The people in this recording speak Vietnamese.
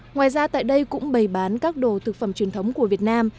ngoài ra tại đây cũng bày bán các đồ thực phẩm truyền thống của việt nam